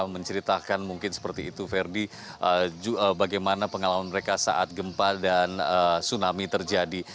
menceritakan mungkin seperti itu ferdi bagaimana pengalaman mereka saat gempa dan tsunami terjadi